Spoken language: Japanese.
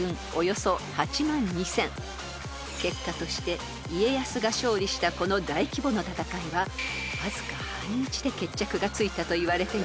［結果として家康が勝利したこの大規模な戦いはわずか半日で決着がついたといわれています］